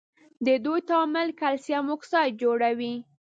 د دوی تعامل کلسیم اکساید جوړوي.